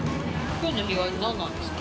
きょうの日替わり何なんですか？